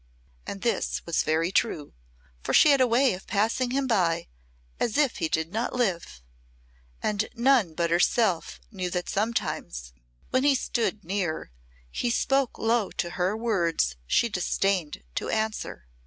And this was very true, for she had a way of passing him by as if he did not live. And none but herself knew that sometimes, when he stood near, he spoke low to her words she disdained to answer.